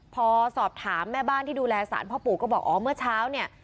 พอสอบถามแม่บ้านที่ดูแลสารพ่อปู่ก็บอกอ๋อเมื่อเช้าเนี่ย